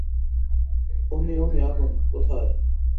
ওমি ওমি আগুন, - কোথায়?